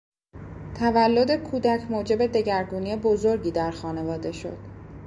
تولد کودک موجب دگرگونی بزرگی در خانواده شد.